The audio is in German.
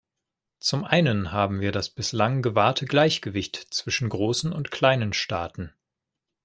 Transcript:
Zum einen haben wir das bislang gewahrte Gleichgewicht zwischen großen und kleinen Staaten.